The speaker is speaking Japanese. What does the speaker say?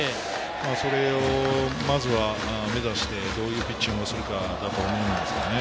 それをまずは目指して、どういうピッチングをするかだと思うんですよね。